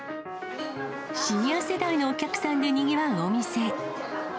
シニア世代のお客さんでにぎわうお店。